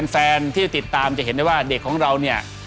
แฟนที่ติดตามจะเห็นได้ว่าเด็กของเราเนี่ย